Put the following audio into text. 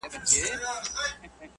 ددې تر شا ولسي کيسه ده: